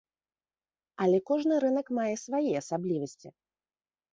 Але кожны рынак мае свае асаблівасці.